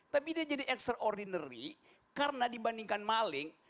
tapi dia jadi extraordinary karena dibandingkan maling